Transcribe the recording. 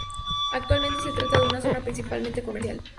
Actualmente, se trata de una zona principalmente comercial.